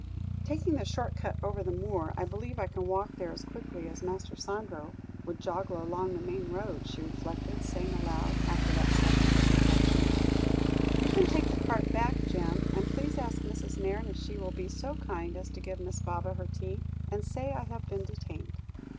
"Taking the short cut over the moor, I believe I can walk there as quickly as Master Sandro would joggle along the main road," she reflected, saying aloud after that second of reflection: "You can take the cart back, Jem; and please ask Mrs. Nairne if she will be so very kind as to give Miss Baba her tea; and say I have been detained."